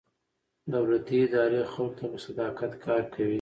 دولتي ادارې خلکو ته په صداقت کار کوي.